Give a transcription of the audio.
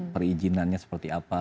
perizinannya seperti apa